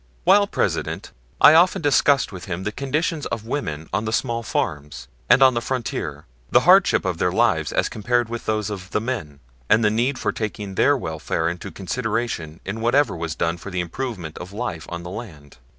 While President I often discussed with him the condition of women on the small farms, and on the frontier, the hardship of their lives as compared with those of the men, and the need for taking their welfare into consideration in whatever was done for the improvement of life on the land.